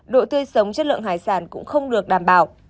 độ tươi sống chất lượng hải sản cũng không được đảm bảo